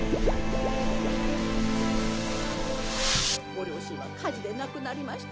ご両親は火事で亡くなりましたの。